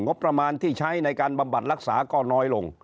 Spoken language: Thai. งบประมาณที่ใช้ในการบำบัดรักษาก็น้อยลง